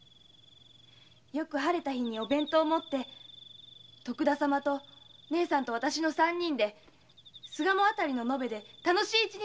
よく晴れた日にお弁当持って徳田様と姉さんわたしの三人で巣鴨辺りの野辺で楽しい一日を過ごすの。